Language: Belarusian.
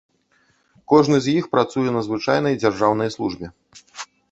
Кожны з іх працуе на звычайнай дзяржаўнай службе.